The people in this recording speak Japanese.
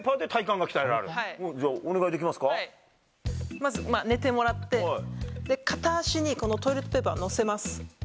まず寝てもらって片足にトイレットペーパーを乗せます。